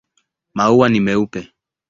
Maua ni meupe.